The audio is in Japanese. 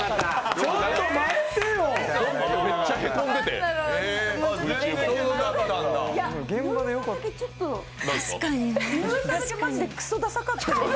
ちょっと待ってよ。